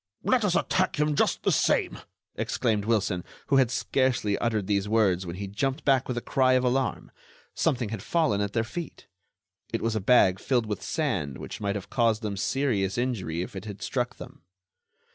"Let us attack him just the same," exclaimed Wilson, who had scarcely uttered these words when he jumped back with a cry of alarm. Something had fallen at their feet; it was a bag filled with sand which might have caused them serious injury if it had struck them.